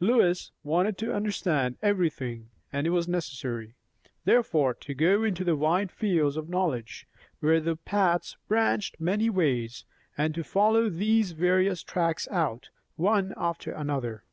Lois wanted to understand everything; and it was necessary, therefore, to go into wide fields of knowledge, where the paths branched many ways, and to follow these various tracks out, one after another.